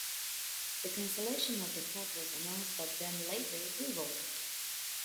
The cancellation of the cut was announced but then later revoked.